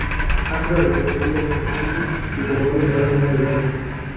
Han realizado giras por Chile y por varios países de Europa.